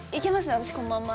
私このまんま。